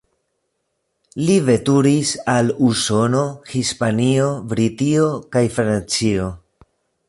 Li veturis al Usono, Hispanio, Britio kaj Francio.